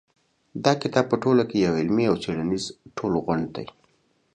دا کتاب په ټوله کې یو علمي او څېړنیز ټولغونډ دی.